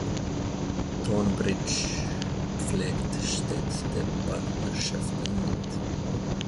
Tonbridge pflegt Städtepartnerschaften mit